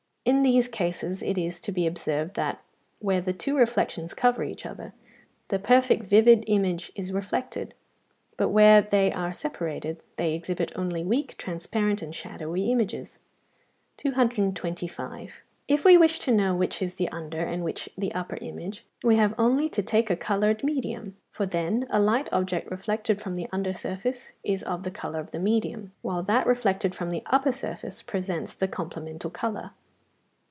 In these cases it is to be observed that, where the two reflections cover each other, the perfect vivid image is reflected, but where they are separated they exhibit only weak, transparent, and shadowy images. 225. If we wish to know which is the under and which the upper image, we have only to take a coloured medium, for then a light object reflected from the under surface is of the colour of the medium, while that reflected from the upper surface presents the complemental colour.